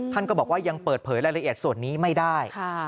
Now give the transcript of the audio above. ท่านก็บอกว่ายังเปิดเผยรายละเอียดส่วนนี้ไม่ได้